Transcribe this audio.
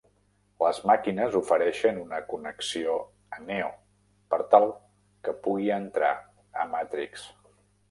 Les Màquines ofereixen una connexió a Neo per tal que pugui entrar a Matrix.